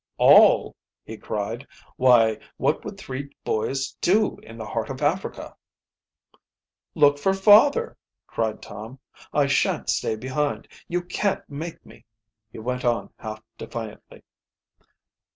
"All!" he cried. "Why, what would three boys do in the heart of Africa?" "Look for father!" cried Tom. "I shan't stay behind you can't make me!" he went on half defiantly.